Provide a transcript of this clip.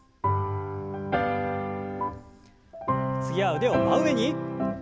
次は腕を真上に。